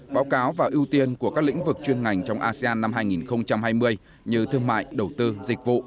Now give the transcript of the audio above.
báo cáo và ưu tiên của các lĩnh vực chuyên ngành trong asean năm hai nghìn hai mươi như thương mại đầu tư dịch vụ